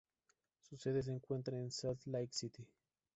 Su sede se encuentra en Salt Lake City.